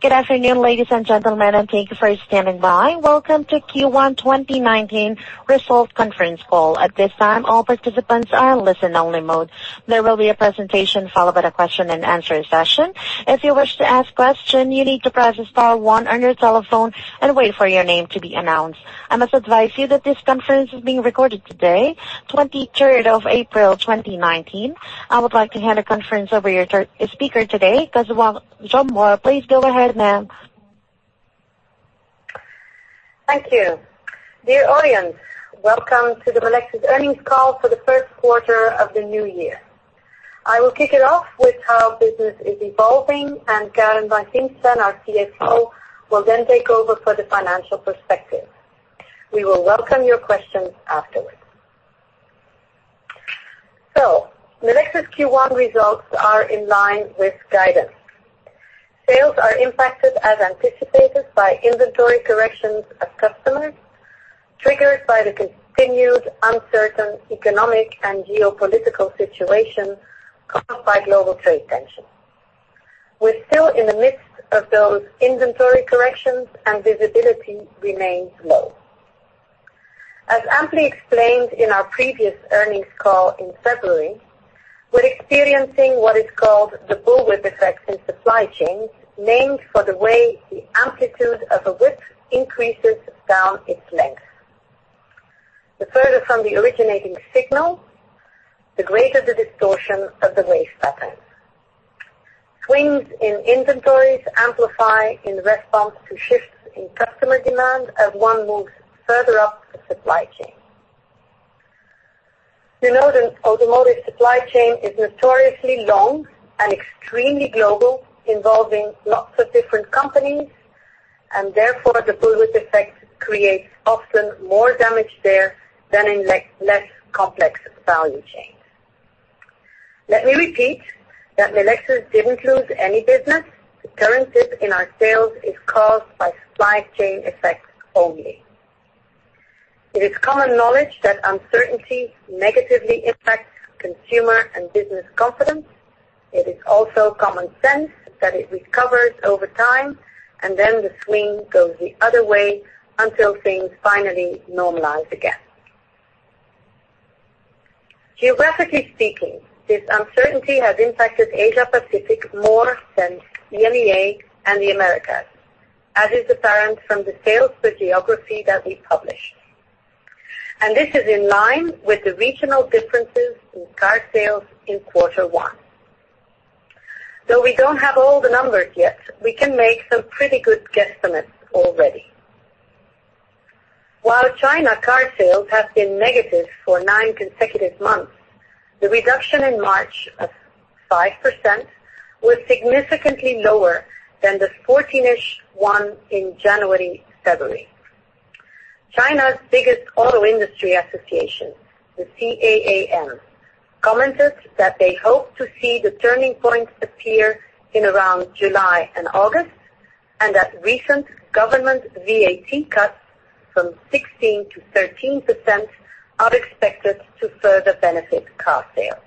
Good afternoon, ladies and gentlemen. Thank you for standing by. Welcome to Q1 2019 Result Conference Call. At this time, all participants are in listen only mode. There will be a presentation followed by a question and answer session. If you wish to ask question, you need to press star one on your telephone and wait for your name to be announced. I must advise you that this conference is being recorded today, April 23rd, 2019. I would like to hand the conference over to our speaker today, Françoise Chombar. Please go ahead, ma'am. Thank you. Dear audience, welcome to the Melexis earnings call for the first quarter of the new year. I will kick it off with how business is evolving. Karen Van Griensven, our CFO, will then take over for the financial perspective. We will welcome your questions afterwards. Melexis Q1 results are in line with guidance. Sales are impacted as anticipated by inventory corrections of customers triggered by the continued uncertain economic and geopolitical situation caused by global trade tensions. We're still in the midst of those inventory corrections. Visibility remains low. As amply explained in our previous earnings call in February, we're experiencing what is called the bullwhip effect in supply chains, named for the way the amplitude of a whip increases down its length. The further from the originating signal, the greater the distortion of the wave pattern. Swings in inventories amplify in response to shifts in customer demand as one moves further up the supply chain. You know, the automotive supply chain is notoriously long and extremely global, involving lots of different companies. Therefore, the bullwhip effect creates often more damage there than in less complex value chains. Let me repeat that Melexis didn't lose any business. The current dip in our sales is caused by supply chain effects only. It is common knowledge that uncertainty negatively impacts consumer and business confidence. It is also common sense that it recovers over time. Then the swing goes the other way until things finally normalize again. Geographically speaking, this uncertainty has impacted Asia-Pacific more than EMEA and the Americas, as is apparent from the sales by geography that we published. This is in line with the regional differences in car sales in quarter one. Though we don't have all the numbers yet, we can make some pretty good guesstimates already. While China car sales have been negative for nine consecutive months, the reduction in March of 5% was significantly lower than the 14-ish one in January, February. China's biggest auto industry association, the CAAM, commented that they hope to see the turning point appear in around July and August. That recent government VAT cuts from 16 to 13% are expected to further benefit car sales.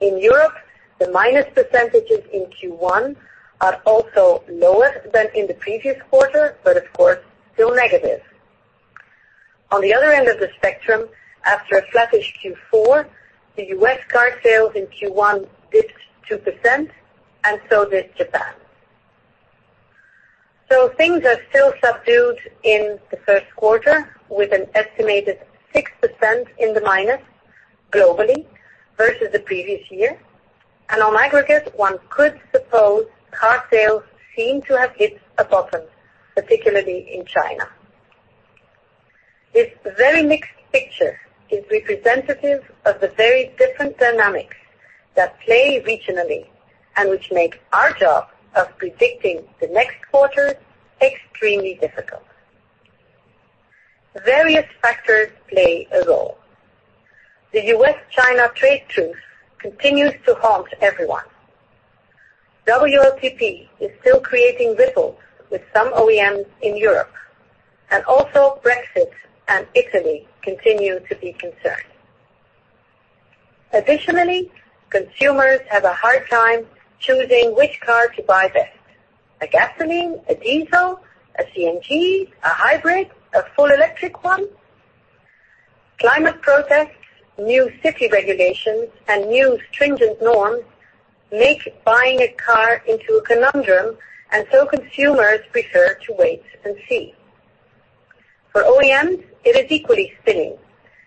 In Europe, the minus percentages in Q1 are also lower than in the previous quarter, but of course still negative. On the other end of the spectrum, after a flattish Q4, the U.S. car sales in Q1 dipped 2%. So did Japan. Things are still subdued in the first quarter with an estimated 6% in the minus globally versus the previous year. On aggregate, one could suppose car sales seem to have hit a bottom, particularly in China. This very mixed picture is representative of the very different dynamics that play regionally and which make our job of predicting the next quarters extremely difficult. Various factors play a role. The U.S.-China trade truce continues to haunt everyone. WLTP is still creating ripples with some OEMs in Europe, Brexit and Italy continue to be a concern. Additionally, consumers have a hard time choosing which car to buy best. A gasoline, a diesel, a CNG, a hybrid, a full electric one? Climate protests, new city regulations, and new stringent norms make buying a car into a conundrum, consumers prefer to wait and see. For OEMs, it is equally spinning,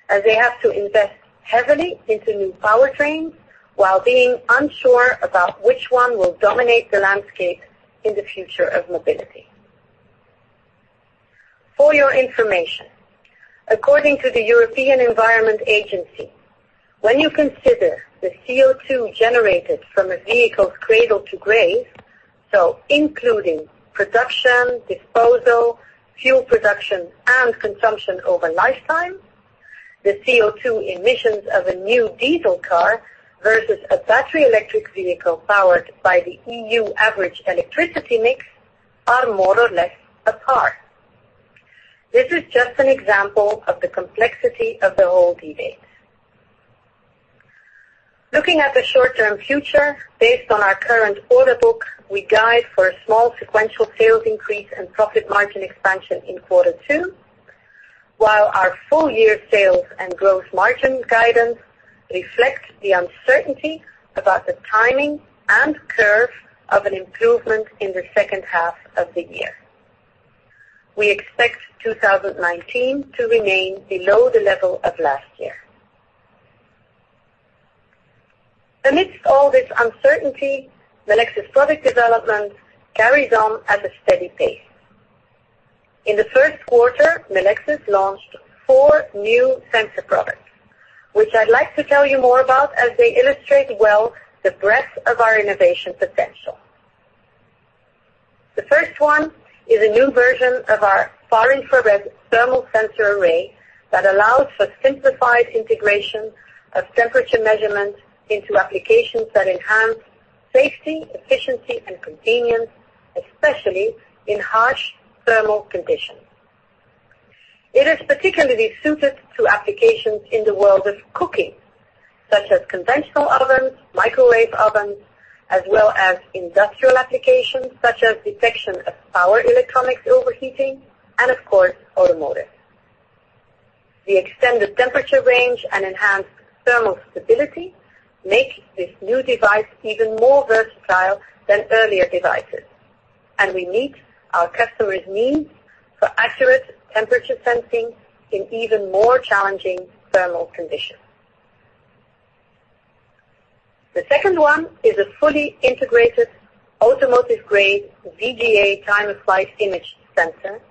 as they have to invest heavily into new powertrains while being unsure about which one will dominate the landscape in the future of mobility. For your information, according to the European Environment Agency, when you consider the CO2 generated from a vehicle's cradle to grave, so including production, disposal, fuel production, and consumption over lifetime, the CO2 emissions of a new diesel car versus a battery electric vehicle powered by the EU average electricity mix are more or less apart. This is just an example of the complexity of the whole debate. Looking at the short-term future, based on our current order book, we guide for a small sequential sales increase and profit margin expansion in quarter 2, while our full-year sales and gross margin guidance reflects the uncertainty about the timing and curve of an improvement in the second half of the year. We expect 2019 to remain below the level of last year. Amidst all this uncertainty, Melexis product development carries on at a steady pace. In the first quarter, Melexis launched four new sensor products, which I'd like to tell you more about as they illustrate well the breadth of our innovation potential. The first one is a new version of our far-infrared thermal sensor array that allows for simplified integration of temperature measurement into applications that enhance safety, efficiency, and convenience, especially in harsh thermal conditions. It is particularly suited to applications in the world of cooking, such as conventional ovens, microwave ovens, as well as industrial applications such as detection of power electronics overheating, and of course, automotive. The extended temperature range and enhanced thermal stability make this new device even more versatile than earlier devices. We meet our customers' needs for accurate temperature sensing in even more challenging thermal conditions. The second one is a fully integrated automotive-grade VGA time-of-flight image sensor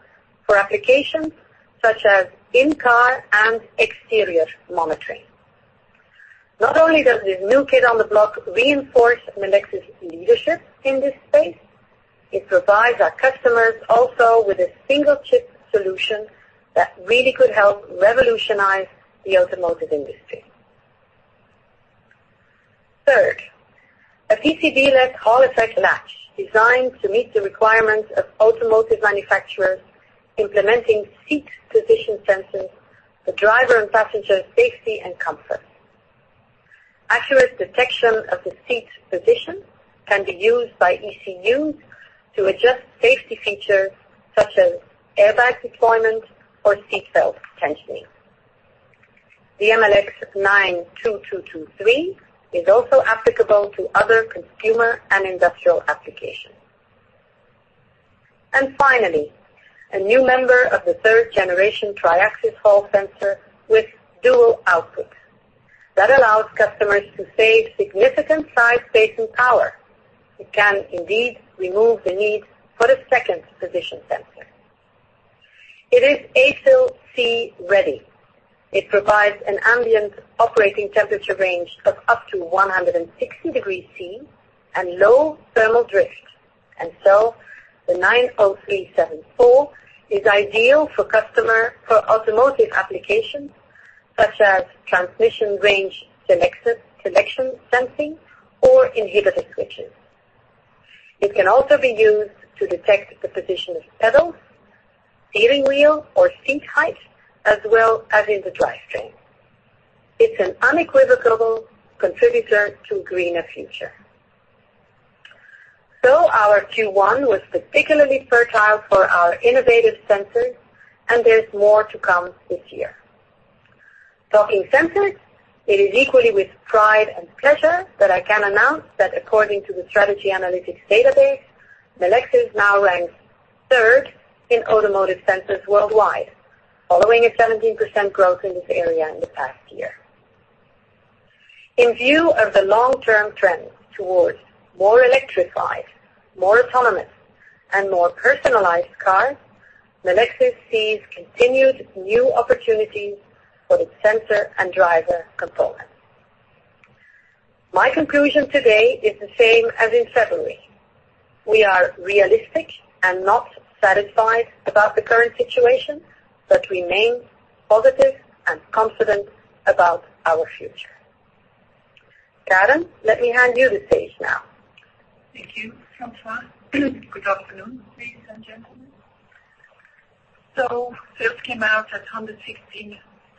for applications such as in-car and exterior monitoring. Not only does this new kid on the block reinforce Melexis' leadership in this space, it provides our customers also with a single-chip solution that really could help revolutionize the automotive industry. Third, a PCB-less Hall effect latch designed to meet the requirements of automotive manufacturers implementing seat position sensors for driver and passenger safety and comfort. Accurate detection of the seat position can be used by ECUs to adjust safety features such as airbag deployment or seat belt tensioning. The MLX92223 is also applicable to other consumer and industrial applications. A new member of the third generation tri-axis Hall sensor with dual output that allows customers to save significant size, space, and power. It can indeed remove the need for a second position sensor. It is ASIL C ready. It provides an ambient operating temperature range of up to 160 degrees Celsius and low thermal drift. The MLX90374 is ideal for automotive applications such as transmission range selection sensing or inhibitor switching. It can also be used to detect the position of pedals, steering wheel, or seat height, as well as in the drivetrain. It's an unequivocal contributor to a greener future. Our Q1 was particularly fertile for our innovative sensors, and there is more to come this year. Talking sensors, it is equally with pride and pleasure that I can announce that according to the Strategy Analytics database, Melexis now ranks third in automotive sensors worldwide, following a 17% growth in this area in the past year. In view of the long-term trends towards more electrified, more autonomous, and more personalized cars, Melexis sees continued new opportunities for its sensor and driver components. My conclusion today is the same as in February. We are realistic and not satisfied about the current situation, but remain positive and confident about our future. Karen, let me hand you the stage now. Thank you, Françoise. Good afternoon, ladies and gentlemen. Sales came out at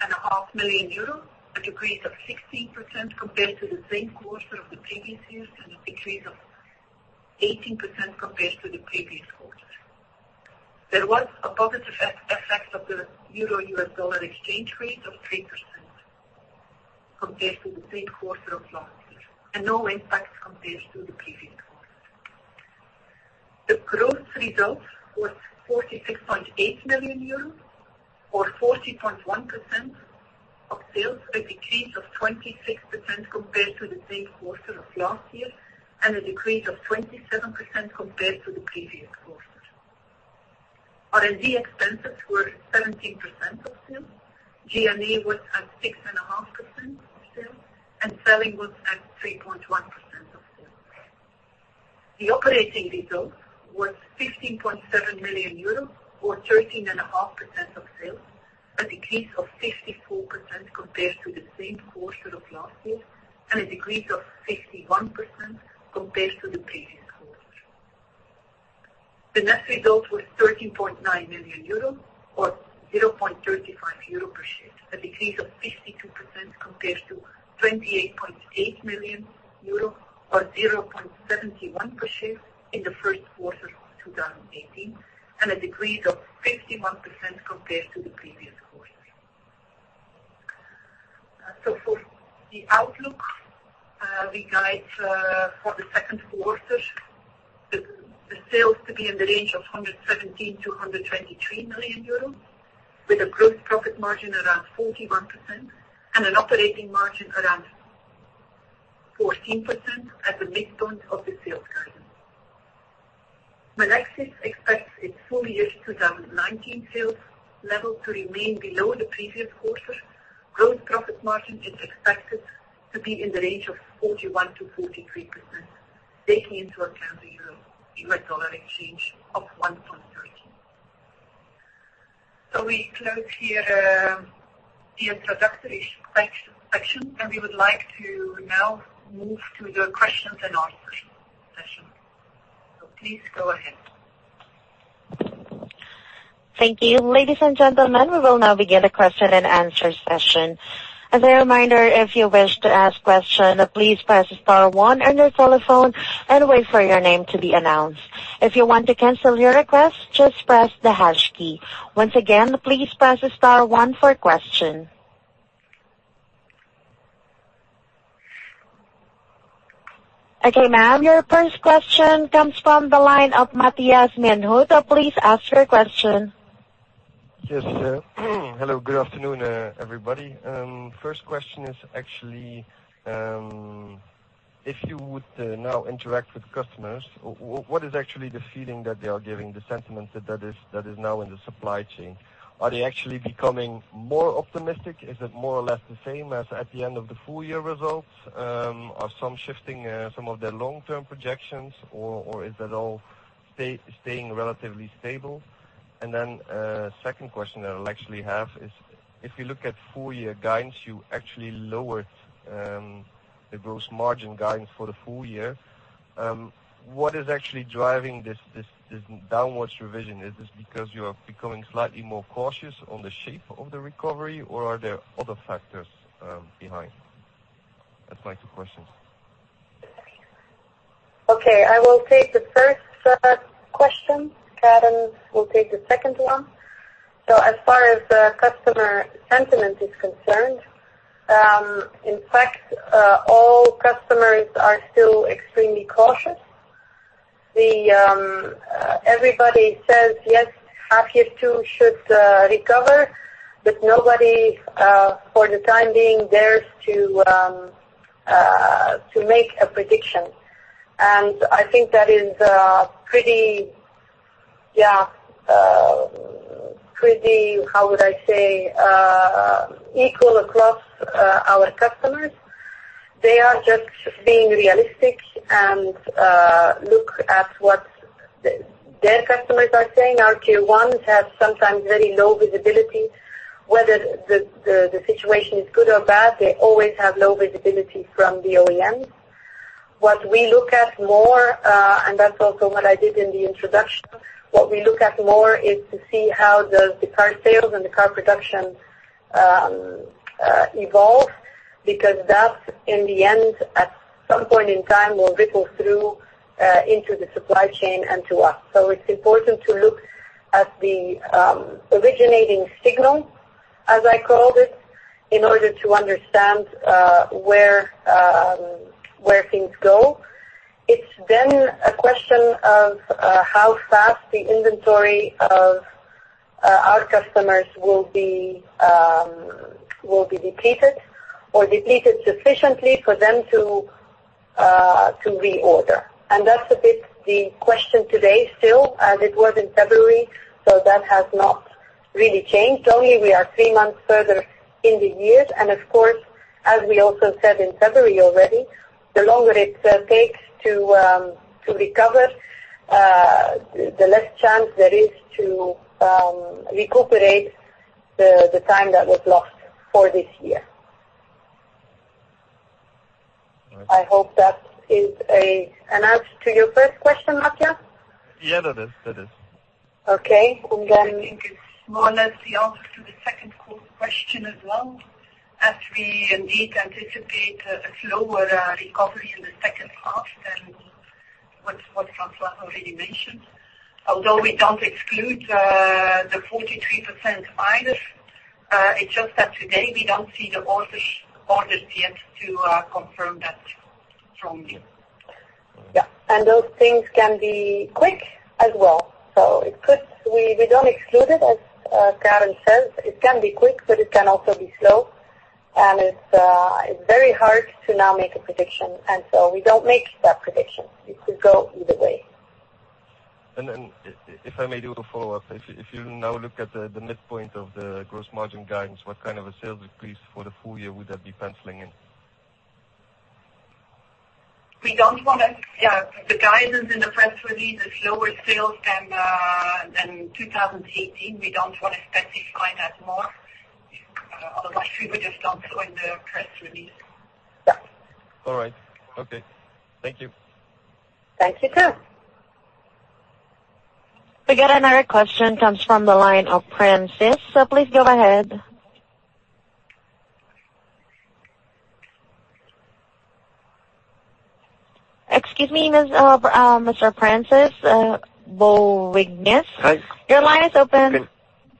116.5 million euros, a decrease of 16% compared to the same quarter of the previous year, and a decrease of 18% compared to the previous quarter. There was a positive effect of the euro-USD exchange rate of 3% compared to the same quarter of last year, and no impact compared to the previous quarter. The gross result was 46.8 million euros or 40.1% of sales, a decrease of 26% compared to the same quarter of last year, and a decrease of 27% compared to the previous quarter. R&D expenses were 17% of sales. G&A was at 6.5% of sales, and selling was at 3.1% of sales. The operating result was 15.7 million euros or 13.5% of sales, a decrease of 54% compared to the same quarter of last year, and a decrease of 51% compared to the previous quarter. The net result was 13.9 million euros, or 0.35 euro per share, a decrease of 52% compared to 28.8 million euros, or 0.71 per share in the first quarter of 2018, and a decrease of 51% compared to the previous quarter. For the outlook, we guide for the second quarter, the sales to be in the range of 117 million-123 million euros, with a gross profit margin around 41% and an operating margin around 14% at the midpoint of the sales guidance. Melexis expects its full year 2019 sales level to remain below the previous quarter. Gross profit margin is expected to be in the range of 41%-43%, taking into account the euro-USD exchange of 1.13. We close here the introductory section. We would like to now move to the questions and answers session. Please go ahead. Thank you. Ladies and gentlemen, we will now begin the question and answer session. As a reminder, if you wish to ask question, please press star one on your telephone and wait for your name to be announced. If you want to cancel your request, just press the hash key. Once again, please press star one for question. Okay, ma'am, your first question comes from the line of Matthias Maenhaut. Please ask your question. Yes, sir. Hello, good afternoon, everybody. First question is actually, if you would now interact with customers, what is actually the feeling that they are giving, the sentiment that is now in the supply chain? Are they actually becoming more optimistic? Is it more or less the same as at the end of the full year results? Are some shifting some of their long-term projections, or is that all staying relatively stable? Second question that I'll actually have is, if you look at full year guidance, you actually lowered the gross margin guidance for the full year. What is actually driving this downwards revision? Is this because you are becoming slightly more cautious on the shape of the recovery, or are there other factors behind? That's my two questions. Okay, I will take the first question. Karen will take the second one. As far as customer sentiment is concerned, in fact, all customers are still extremely cautious. Everybody says, yes, H2 should recover, nobody for the time being dares to make a prediction. I think that is pretty, how would I say, equal across our customers. They are just being realistic and look at what their customers are saying. Our tier ones have sometimes very low visibility. Whether the situation is good or bad, they always have low visibility from the OEMs. What we look at more, and that's also what I did in the introduction, what we look at more is to see how the car sales and the car production evolve, because that, in the end, at some point in time, will ripple through into the supply chain and to us. It's important to look at the originating signal, as I called it, in order to understand where things go. It's a question of how fast the inventory of our customers will be depleted or depleted sufficiently for them to reorder. That's a bit the question today still, as it was in February, so that has not really changed. We are three months further in the year. Of course, as we also said in February already, the longer it takes to recover, the less chance there is to recuperate the time that was lost for this year. All right. I hope that is an answer to your first question, Matthias. Yeah, that is. Okay. I think it's more or less the answer to the second question as well, as we indeed anticipate a slower recovery in the second half than what Françoise already mentioned. Although we don't exclude the 43% minus, it's just that today we don't see the orders yet to confirm that strongly. Yeah. Those things can be quick as well. We don't exclude it, as Karen says. It can be quick, it can also be slow, it's very hard to now make a prediction, we don't make that prediction. It could go either way. If I may do a follow-up. If you now look at the midpoint of the gross margin guidance, what kind of a sales decrease for the full year would that be penciling in? The guidance in the press release is lower sales than 2018. We don't want to specify that more Okay. Thank you. Thanks, you too. We got another question, comes from the line of Francis. Please go ahead. Excuse me, Mr. Francis Bouvignies. Hi. Your line is open.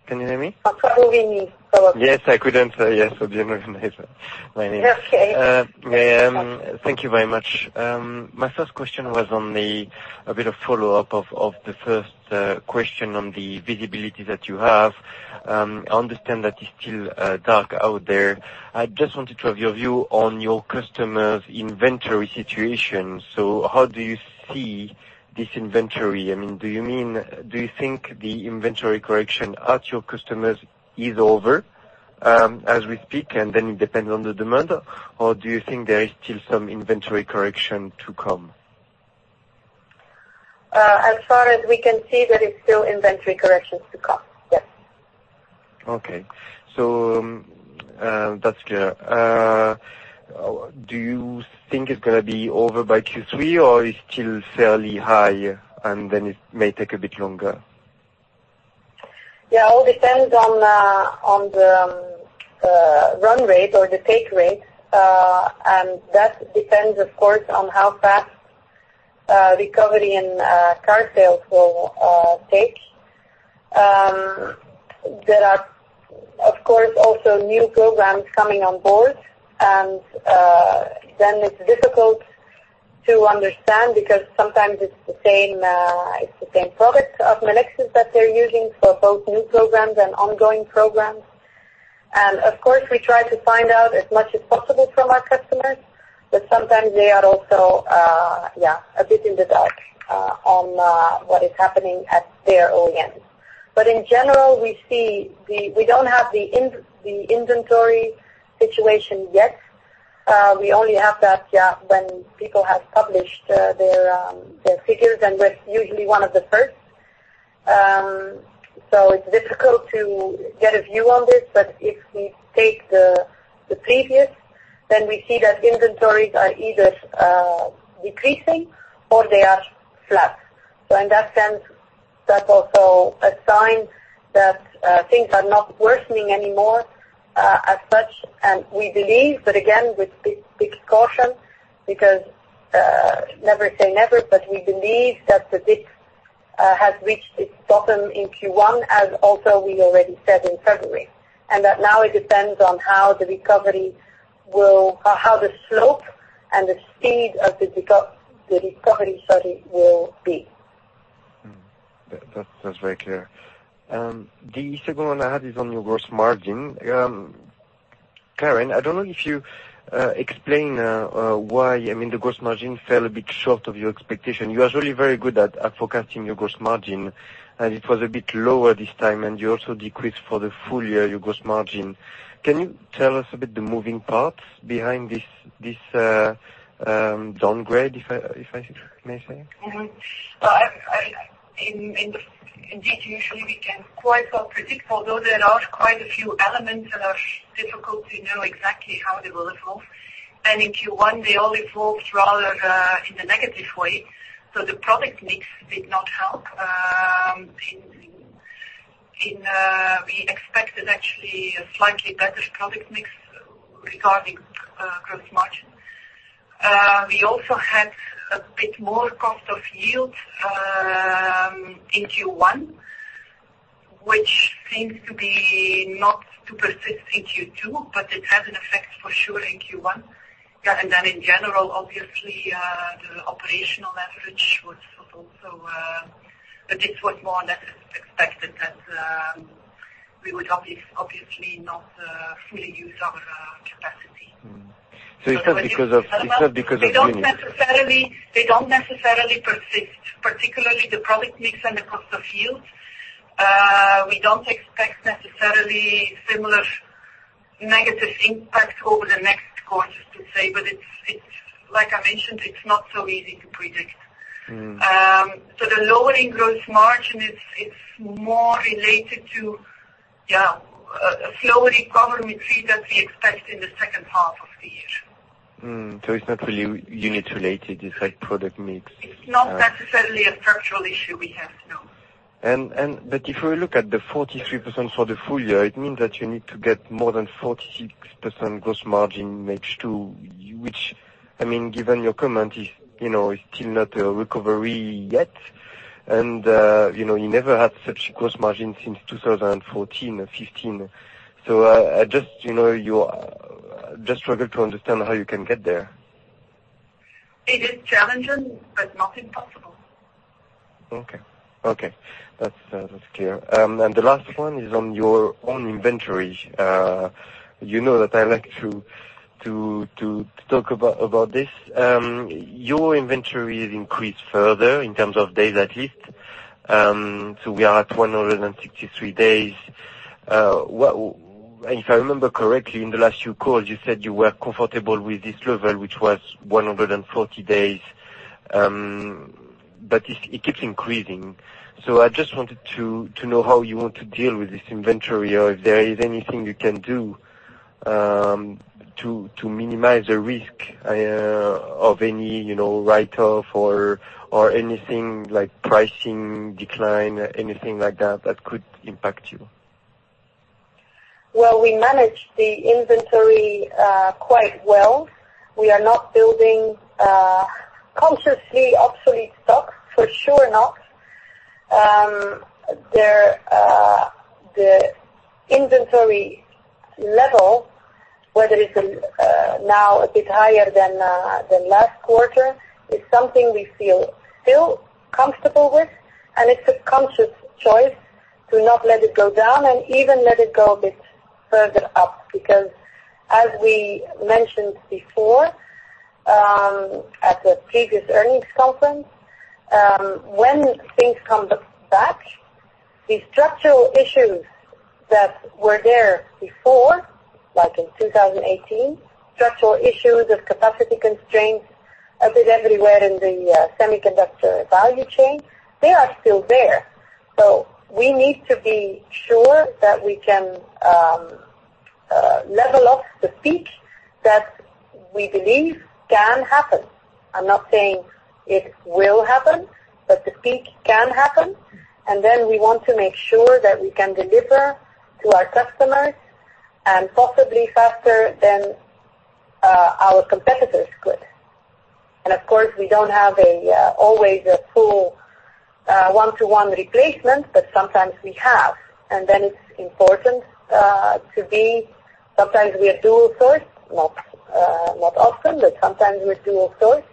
Can you hear me? Francois-Xavier Bouvignies. Yes, I couldn't. Yes, I didn't recognize my name. Okay. Thank you very much. My first question was a bit of follow-up of the first question on the visibility that you have. I understand that it's still dark out there. I just wanted to have your view on your customers' inventory situation. How do you see this inventory? Do you think the inventory correction at your customers is over as we speak, and then it depends on the demand, or do you think there is still some inventory correction to come? As far as we can see, there is still inventory corrections to come. Yes. Okay. That's clear. Do you think it's going to be over by Q3, or it's still fairly high, and then it may take a bit longer? Yeah. It all depends on the run rate or the take rate. That depends of course, on how fast recovery in car sales will take. There are, of course, also new programs coming on board and then it's difficult to understand, because sometimes it's the same product of Melexis that they're using for both new programs and ongoing programs. Of course, we try to find out as much as possible from our customers, but sometimes they are also a bit in the dark on what is happening at their OEMs. In general, we don't have the inventory situation yet. We only have that when people have published their figures, and we're usually one of the first. It's difficult to get a view on this, but if we take the previous, then we see that inventories are either decreasing or they are flat. In that sense, that's also a sign that things are not worsening anymore, as such. We believe, but again, with big caution because never say never, but we believe that the dip has reached its bottom in Q1, as also we already said in February. That now it depends on how the slope and the speed of the recovery study will be. That's very clear. The second one I had is on your gross margin. Karen, I don't know if you explained why the gross margin fell a bit short of your expectation. You are usually very good at forecasting your gross margin, and it was a bit lower this time, and you also decreased for the full year your gross margin. Can you tell us a bit the moving parts behind this downgrade, if I may say? In Q3, we can quite well predict, although there are quite a few elements that are difficult to know exactly how they will evolve. In Q1, they all evolved rather in a negative way. The product mix did not help. We expected actually a slightly better product mix regarding gross margin. We also had a bit more cost of yield in Q1, which seems to be not to persist in Q2, but it had an effect for sure in Q1. Then in general, obviously, the operational leverage was also. This was more or less expected that we would obviously not fully use our capacity. It's not because of. They don't necessarily persist, particularly the product mix and the cost of yield. We don't expect necessarily similar negative impact over the next quarters to say, but like I mentioned, it's not so easy to predict. The lowering gross margin, it's more related to a slow recovery trend that we expect in the second half of the year. It's not really unit-related, it's like product mix. It's not necessarily a structural issue we have, no. If we look at the 43% for the full year, it means that you need to get more than 46% gross margin in H2 which, given your comment, it's still not a recovery yet. You never had such gross margin since 2014 or 2015. I just struggle to understand how you can get there. It is challenging, but not impossible. Okay. That's clear. The last one is on your own inventory. You know that I like to talk about this. Your inventory increased further in terms of days at least. We are at 163 days. If I remember correctly, in the last few calls, you said you were comfortable with this level, which was 140 days. But it keeps increasing. I just wanted to know how you want to deal with this inventory, or if there is anything you can do to minimize the risk of any write-off or anything like pricing decline, anything like that could impact you. Well, we manage the inventory quite well. We are not building consciously obsolete stock, for sure not. The inventory level, where there is now a bit higher than last quarter, is something we feel still comfortable with, it's a conscious choice to not let it go down and even let it go a bit further up, as we mentioned before, at the previous earnings conference, when things come back, the structural issues that were there before, like in 2018, structural issues of capacity constraints a bit everywhere in the semiconductor value chain, they are still there. We need to be sure that we can level off the peak that we believe can happen. I'm not saying it will happen, but the peak can happen. Then we want to make sure that we can deliver to our customers, and possibly faster than our competitors could. Of course, we don't have always a full one-to-one replacement, but sometimes we have. It's important, sometimes we are dual source, not often, but sometimes we're dual source.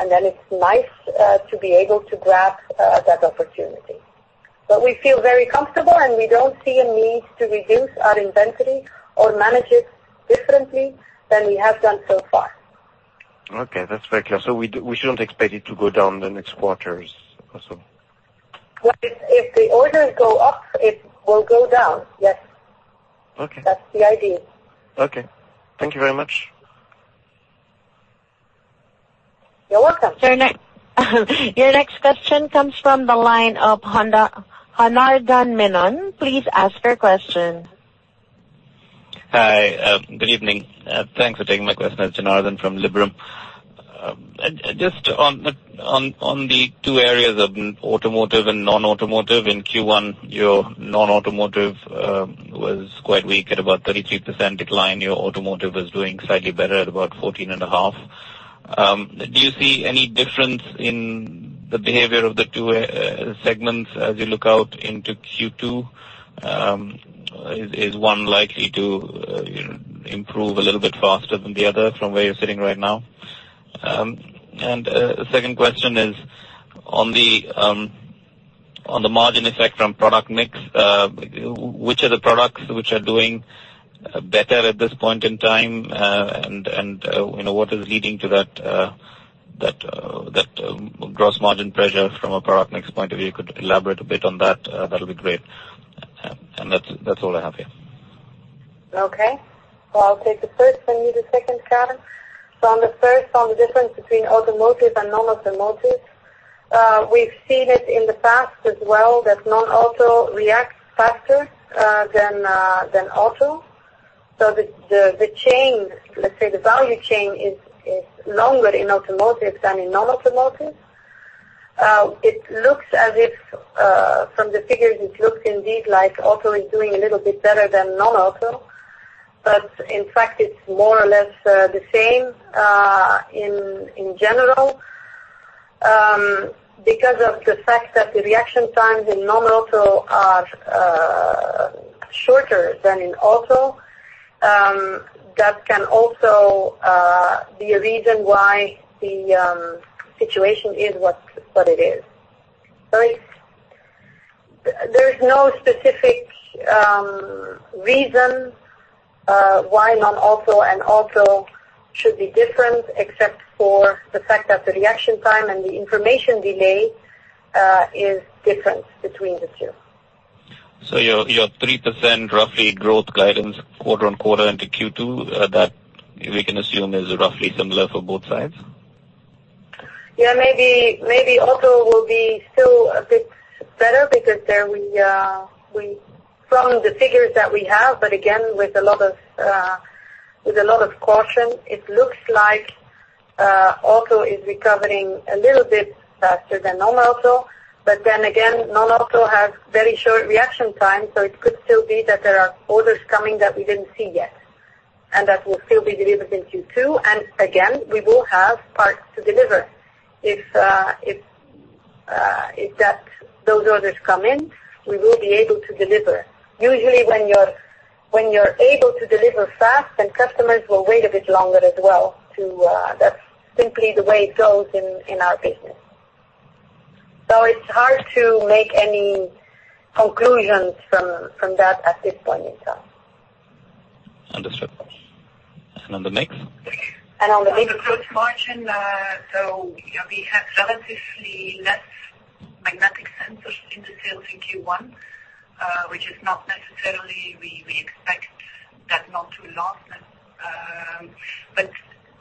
It's nice to be able to grab that opportunity. We feel very comfortable, and we don't see a need to reduce our inventory or manage it differently than we have done so far. Okay, that's very clear. We shouldn't expect it to go down the next quarters or so. Well, if the orders go up, it will go down. Yes. Okay. That's the idea. Okay. Thank you very much. You're welcome. Your next question comes from the line of Janardan Menon. Please ask your question. Hi. Good evening. Thanks for taking my question. It's Janardan from Liberum. Just on the two areas of automotive and non-automotive. In Q1, your non-automotive was quite weak at about 33% decline. Your automotive was doing slightly better at about 14 and a half. Do you see any difference in the behavior of the two segments as you look out into Q2? Is one likely to improve a little bit faster than the other from where you're sitting right now? Second question is on the margin effect from product mix. Which are the products which are doing better at this point in time? What is leading to that gross margin pressure from a product mix point of view? Could elaborate a bit on that'll be great. That's all I have here. Okay. Well, I'll take the first and you the second, Karen. On the first, on the difference between automotive and non-automotive. We've seen it in the past as well, that non-auto reacts faster than auto. Let's say the value chain is longer in automotive than in non-automotive. From the figures, it looks indeed like auto is doing a little bit better than non-auto. In fact, it's more or less the same in general. Because of the fact that the reaction times in non-auto are shorter than in auto, that can also be a reason why the situation is what it is. There's no specific reason why non-auto and auto should be different, except for the fact that the reaction time and the information delay is different between the two. Your 3%, roughly, growth guidance quarter-on-quarter into Q2, that we can assume is roughly similar for both sides? Yeah, maybe auto will be still a bit better because from the figures that we have, again, with a lot of caution, it looks like auto is recovering a little bit faster than non-auto. Then again, non-auto has very short reaction time, so it could still be that there are orders coming that we didn't see yet, and that will still be delivered in Q2. Again, we will have parts to deliver. If those orders come in, we will be able to deliver. Usually, when you're able to deliver fast, then customers will wait a bit longer as well. That's simply the way it goes in our business. It's hard to make any conclusions from that at this point in time. Understood. On the mix? On the mix- On the gross margin, we had relatively less magnetic sensors in the sales in Q1, which is not necessarily, but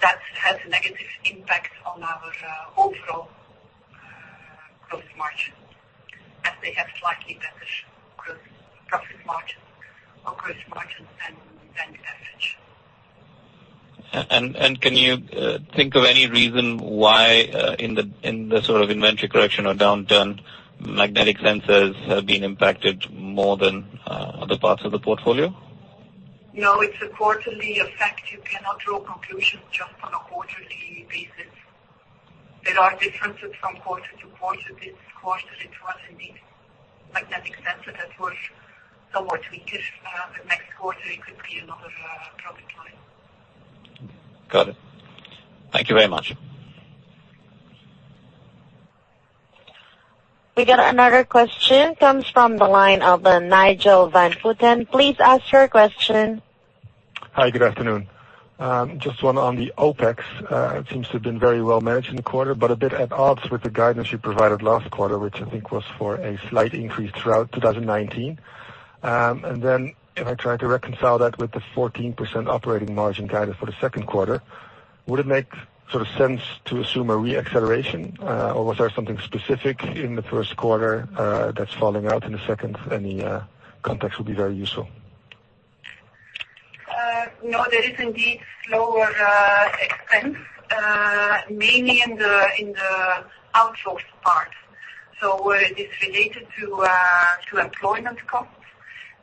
that has a negative impact on our overall gross margin, as they have slightly better gross profit margin or gross margin than the average. Can you think of any reason why, in the sort of inventory correction or downturn, magnetic sensors have been impacted more than other parts of the portfolio? No, it's a quarterly effect. You cannot draw conclusions just on a quarterly basis. There are differences from quarter to quarter. This quarter it was indeed magnetic sensor that was somewhat weakest. Next quarter it could be another product line. Got it. Thank you very much. We got another question, comes from the line of Nigel van Putten. Please ask your question. Hi, good afternoon. Just one on the OpEx. It seems to have been very well managed in the quarter, but a bit at odds with the guidance you provided last quarter, which I think was for a slight increase throughout 2019. Then if I try to reconcile that with the 14% operating margin guidance for the second quarter, would it make sense to assume a re-acceleration? Was there something specific in the first quarter that's falling out in the second? Any context would be very useful. No, there is indeed slower expense, mainly in the outsourced part. It is related to employment costs.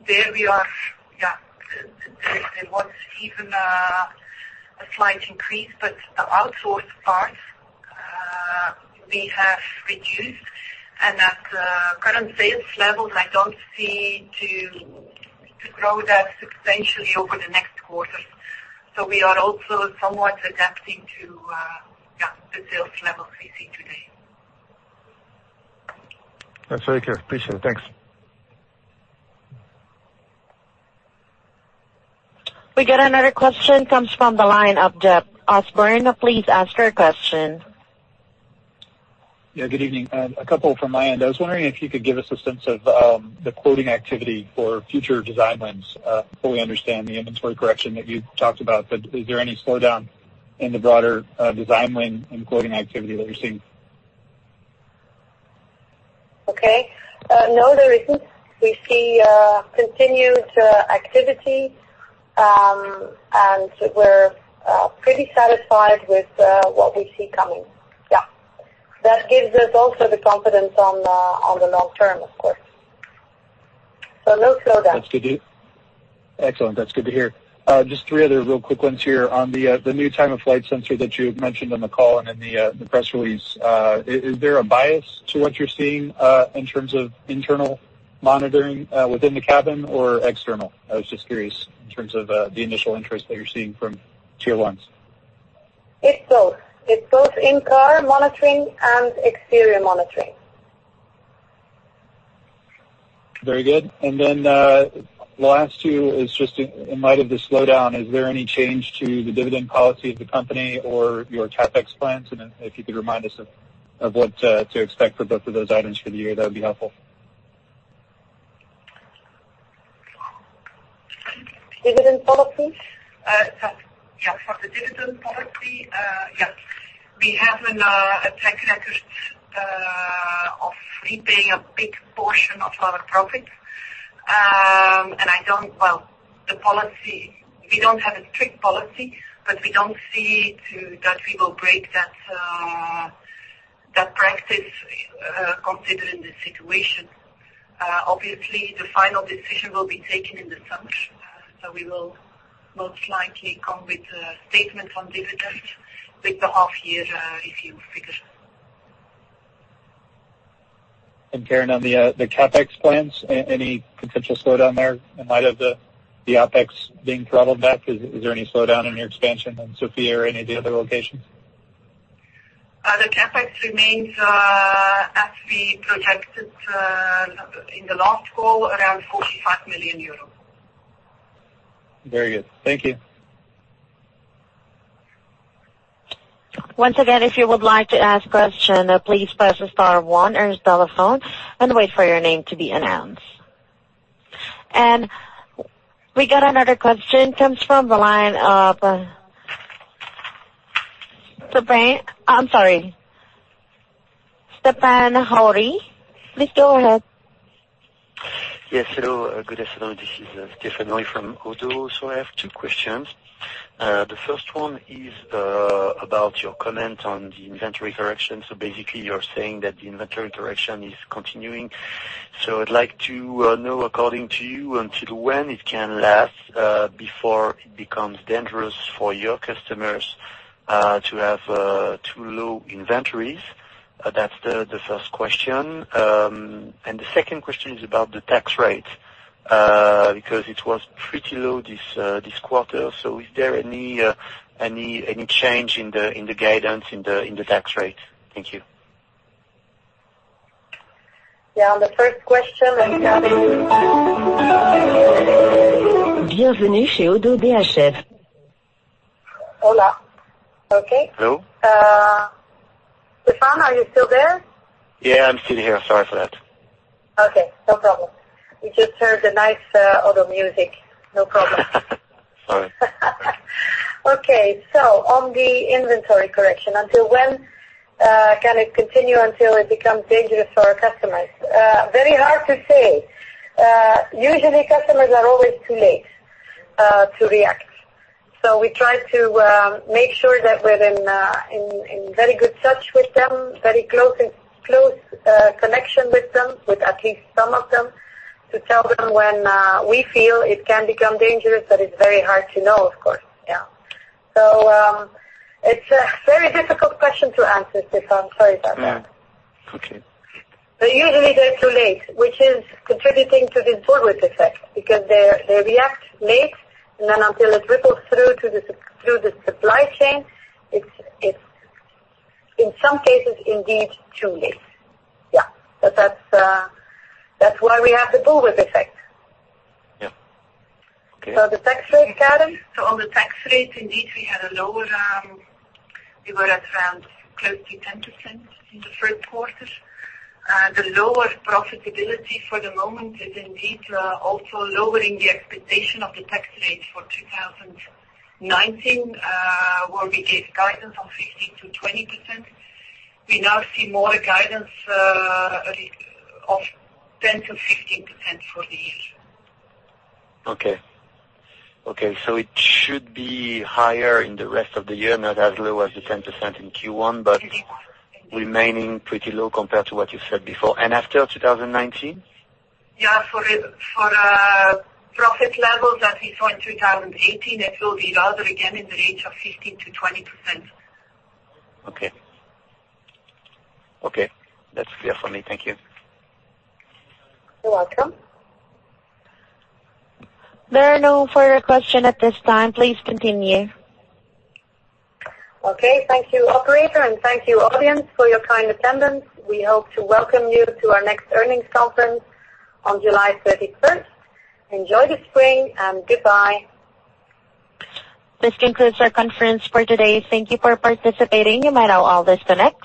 There we are. There was even a slight increase, the outsourced parts, we have reduced. At current sales levels, I don't see to grow that substantially over the next quarters. We are also somewhat adapting to the sales levels we see today. That's very clear. Appreciate it. Thanks. We got another question, comes from the line of Jeff Osborne. Please ask your question. Yeah, good evening. A couple from my end. I was wondering if you could give us a sense of the quoting activity for future design wins. Fully understand the inventory correction that you talked about, is there any slowdown in the broader design win and quoting activity that you're seeing? Okay. No, there isn't. We see continued activity, and we're pretty satisfied with what we see coming. Yeah. That gives us also the confidence on the long term, of course. No slowdown. That's good to Excellent. That's good to hear. Just three other real quick ones here. On the new time-of-flight sensor that you've mentioned on the call and in the press release, is there a bias to what you're seeing in terms of internal monitoring within the cabin or external? I was just curious in terms of the initial interest that you're seeing from tier ones. It's both. It's both in-car monitoring and exterior monitoring. Very good. Last two is just in light of the slowdown, is there any change to the dividend policy of the company or your CapEx plans? If you could remind us of what to expect for both of those items for the year, that would be helpful. Dividend policy? For the dividend policy, yes. We have a track record of repaying a big portion of our profits. We don't have a strict policy, we don't see that we will break that practice considering the situation. Obviously, the final decision will be taken in the summer. We will most likely come with a statement on dividends with the half-year review figures. Karen, on the CapEx plans, any potential slowdown there in light of the OpEx being throttled back? Is there any slowdown in your expansion in Sofia or any of the other locations? The CapEx remains as we projected in the last call, around 45 million euros. Very good. Thank you. Once again, if you would like to ask question, please press star one on your telephone and wait for your name to be announced. We got another question, comes from the line of Stéphane. I'm sorry. Stéphane Houri, please go ahead. Yes, hello. Good afternoon. This is Stéphane Houri from ODDO BHF. I have two questions. The first one is about your comment on the inventory correction. Basically, you're saying that the inventory correction is continuing. I'd like to know, according to you, until when it can last, before it becomes dangerous for your customers to have too low inventories? That's the first question. The second question is about the tax rate, because it was pretty low this quarter. Is there any change in the guidance in the tax rate? Thank you. Yeah, on the first question, I'm coming. Hello? Stéphane, are you still there? Yeah, I'm still here. Sorry for that. Okay, no problem. We just heard the nice auto music. No problem. Sorry. On the inventory correction, until when can it continue until it becomes dangerous for our customers? Very hard to say. Usually, customers are always too late to react. We try to make sure that we're in very good touch with them, very close connection with them, with at least some of them, to tell them when we feel it can become dangerous, but it's very hard to know, of course. Yeah. It's a very difficult question to answer, Stéphane. Sorry about that. Yeah. Okay. Usually they're too late, which is contributing to this bullwhip effect because they react late, and then until it ripples through the supply chain, it's in some cases, indeed, too late. Yeah. That's why we have the bullwhip effect. Yeah. Okay. The tax rate, Karen? On the tax rate, indeed, we were at around closely 10% in the first quarter. The lower profitability for the moment is indeed also lowering the expectation of the tax rate for 2019, where we gave guidance of 15%-20%. We now see more guidance of 10%-15% for the year. Okay. It should be higher in the rest of the year, not as low as the 10% in Q1. Q1 remaining pretty low compared to what you said before. After 2019? Yeah, for profit levels, as we saw in 2018, it will be rather again in the range of 15%-20%. Okay. That's clear for me. Thank you. You're welcome. There are no further questions at this time. Please continue. Okay. Thank you, operator, and thank you, audience, for your kind attendance. We hope to welcome you to our next earnings conference on July 31st. Enjoy the spring and goodbye. This concludes our conference for today. Thank you for participating. You may now all disconnect.